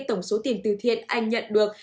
tổng số tiền từ thiện anh nhận được